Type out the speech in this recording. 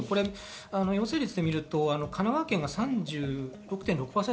陽性率で見ると神奈川県は３６．６％。